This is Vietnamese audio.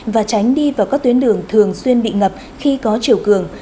và tránh đi vào các tuyến đường thường xuyên bị ngập khi có chiều cường